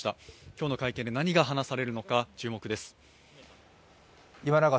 今日の会見で何が話されるのか注目です。